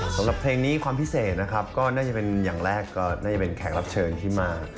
สำหรับเพลงนี้ความพิเศษนะครับก็น่าจะเป็นอย่างแรกก็น่าจะเป็นแขกรับเชิญที่มา